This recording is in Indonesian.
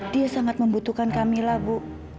dia sangat membutuhkan kamila bu